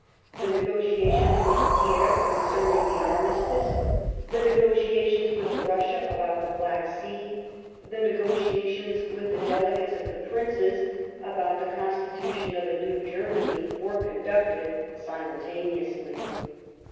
The negotiations with Thiers concerning the 158 The German Empire armistice, the negotiations with Russia about the Black Sea, the negotiations with the Delegates of the Princes about the constitution of a new Ger many, were conducted simultaneously.